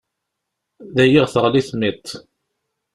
Dagi i ɣ-teɣli timiḍt.